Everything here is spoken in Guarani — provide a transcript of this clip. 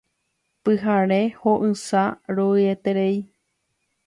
Pyhare, ho'ysã, ro'yeterei.